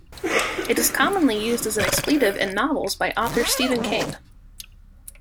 It is commonly used as an expletive in novels by author Stephen King.